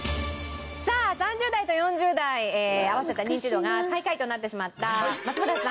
さあ３０代と４０代合わせたニンチドが最下位となってしまった松村さん。